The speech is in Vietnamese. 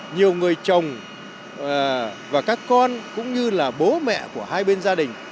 nhiều người chồng và các con cũng như là bố mẹ của hai bên gia đình